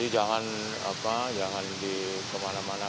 jadi jangan dikemana mana